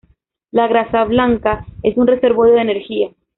La grasa blanca es un reservorio de energía.